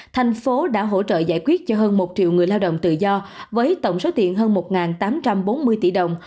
thành phố đã hỗ trợ giải quyết cho hơn một triệu người lao động tự do với tổng số tiền hơn một tám trăm bốn mươi tỷ đồng